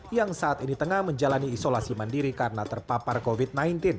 yang saat ini tengah menjalani isolasi mandiri karena terpapar covid sembilan belas